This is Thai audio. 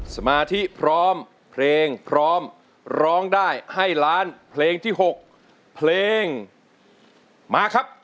สมาธิพร้อมเพลงพร้อมร้องได้ให้ล้านเพลงที่๖เพลงมาครับ